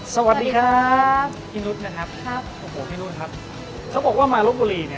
สวัสดีครับพี่นุษย์นะครับทุกคนเขาบอกว่ามาลบบุรี